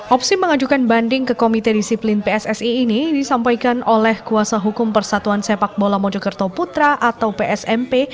opsi mengajukan banding ke komite disiplin pssi ini disampaikan oleh kuasa hukum persatuan sepak bola mojokerto putra atau psmp